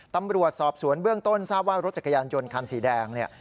ตำรวจสอบสวนเบื้องต้นทราบว่ารถจักรยานยนต์คันสีแดงเนี่ย